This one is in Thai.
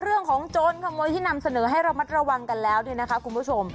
โจรขโมยที่นำเสนอให้ระมัดระวังกันแล้วเนี่ยนะคะคุณผู้ชม